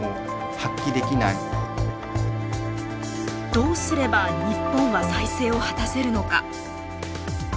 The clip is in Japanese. どうすれば日本は再生を果たせるのか。